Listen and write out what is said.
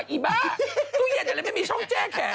อีบ้าตู้เย็นอะไรไม่มีช่องแจ้งแขน